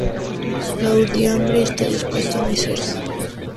La urdimbre está dispuesta muy cerca.